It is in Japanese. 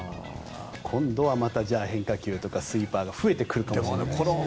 今度はまた変化球とかスイーパーが増えてくるかもしれない。